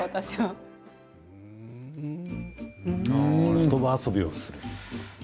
ことば遊びをする？